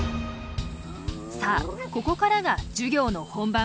さあここからが授業の本番。